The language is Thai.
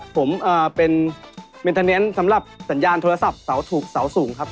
ผมเป็นเมนเทอร์เนส์สำหรับสัญญาณโทรศัพท์เสาถูกเสาสูงครับ